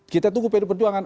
kita tunggu pd perjuangan